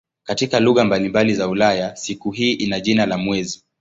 Katika lugha mbalimbali za Ulaya siku hii ina jina la "mwezi".